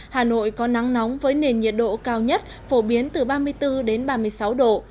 hà nội có nắng nóng với nền nhiệt độ cao nhất phổ biến từ ba mươi bốn đến ba mươi sáu độ